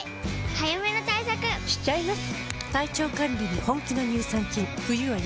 早めの対策しちゃいます。